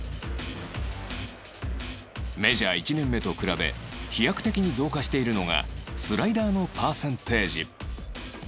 メジャー１年目と比べ飛躍的に増加しているのがスライダーのパーセンテージ